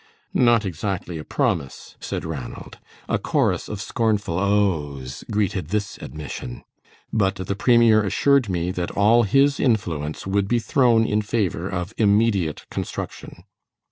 "Not exactly a promise," said Ranald. A chorus of scornful "Ohs" greeted this admission. "But the premier assured me that all his influence would be thrown in favor of immediate construction."